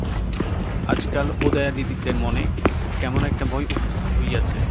আজ কাল উদয়াদিত্যের মনে কেমন একটা ভয় উপস্থিত হইয়াছে।